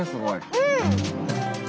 うん！